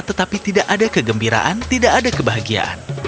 tetapi tidak ada kegembiraan tidak ada kebahagiaan